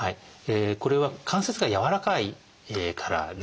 これは関節がやわらかいからですね。